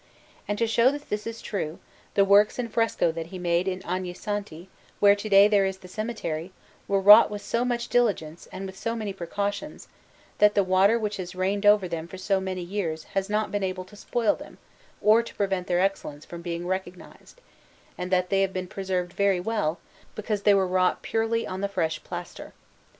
And to show that this is true, the works in fresco that he made in Ognissanti, where to day there is the cemetery, were wrought with so much diligence and with so many precautions, that the water which has rained over them for so many years has not been able to spoil them or to prevent their excellence from being recognized, and that they have been preserved very well, because they were wrought purely on the fresh plaster.